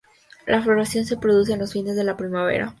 La floración se produce en los fines de la primavera.